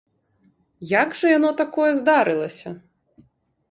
Як жа яно, такое, здарылася?